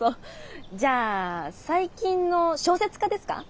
じゃあ最近の小説家ですか？